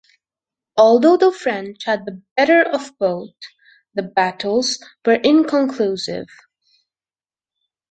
Although the French had the better of both, the battles were inconclusive.